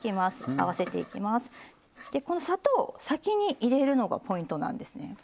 この砂糖を先に入れるのがポイントなんですね。